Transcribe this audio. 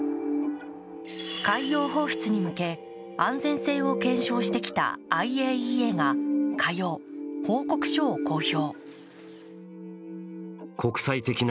海洋放出に向け、安全性を検証してきたＩＡＥＡが火曜、報告書を公表。